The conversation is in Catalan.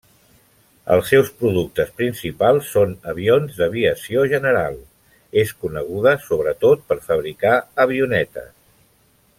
Els seus productes principals són avions d'aviació general, és coneguda sobretot per fabricar avionetes.